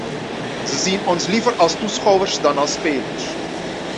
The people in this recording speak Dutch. Ze zien ons liever als toeschouwers dan als spelers.